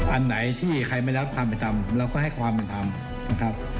อันไหนที่ใครไม่รับความเป็นธรรมเราก็ให้ความเป็นธรรมนะครับ